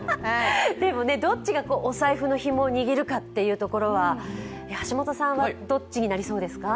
どっちがお財布のひもを握るかってところは橋本さんはどっちになりそうですか？